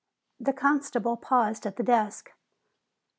The constable paused at the desk.